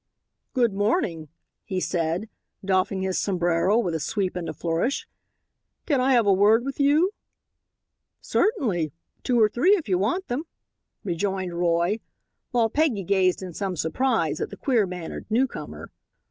"Good morning," he said, doffing his sombrero with a sweep and a flourish; "can I have a word with you?" "Certainly. Two or three if you want them," rejoined Roy, while Peggy gazed in some surprise at the queer mannered newcomer.